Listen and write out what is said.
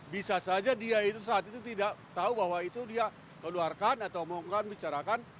bisa saja dia itu saat itu tidak tahu bahwa itu dia keluarkan atau mau kami bicarakan